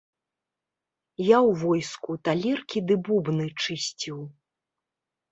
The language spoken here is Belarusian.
Я ў войску талеркі ды бубны чысціў.